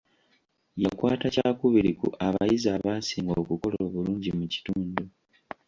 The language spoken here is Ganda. Yakwata kyakubiri ku abayizi abaasinga okukola obulungi mu kitundu.